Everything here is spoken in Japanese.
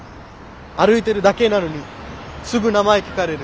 歩いてるだけなのにすぐ名前聞かれる。